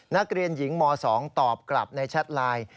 นักเรียนหญิงม๒ตอบกลับในแชทไลน์